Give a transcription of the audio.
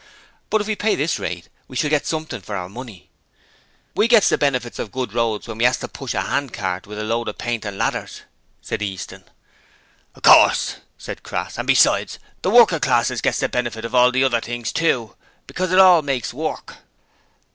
But if we pay this rate we shall get something for our money.' 'We gets the benefit of the good roads when we 'as to push a 'andcart with a load o' paint and ladders,' said Easton. 'Of course,' said Crass, 'and besides, the workin' class gets the benefit of all the other things too, because it all makes work.'